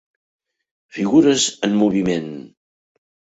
Figures en moviment.